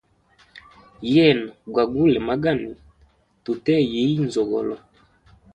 Yena gwa gule magani tuteye yiyi nzogolo.